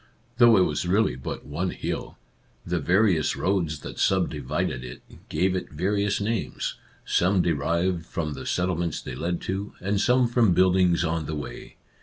Though it was really but one hill, the various roads that subdivided it gave it various names, some derived from the settlements they led to, and some from buildings on the way.